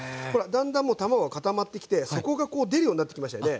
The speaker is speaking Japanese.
だんだんもう卵が固まってきて底がこう出るようになってきましたよね。